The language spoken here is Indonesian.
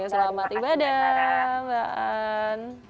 selamat ibadah mbak anne